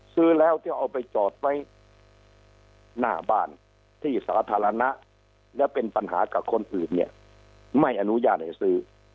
ซื้อแล้วที่เอาไปจอดไว้หน้าบ้านที่สาธารณะและเป็นปัญหากับคนอื่นเนี่ยไม่อนุญาตให้ซื้อ